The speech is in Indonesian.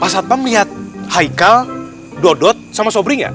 pak satpam liat haikal dodot sama sobrinya